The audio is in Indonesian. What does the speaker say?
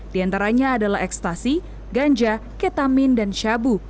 di antaranya adalah ekstasi ganja ketamin dan syabu